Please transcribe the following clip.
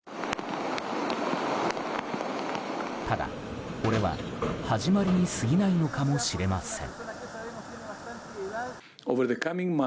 ただ、これは始まりに過ぎないのかもしれません。